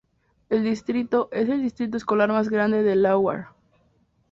El distrito es el distrito escolar más grande de Delaware.